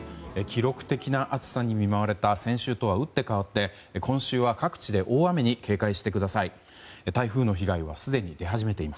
記録的な暑さに見舞われた先週とはうってかわって、今週は各地で大雨に警戒してください。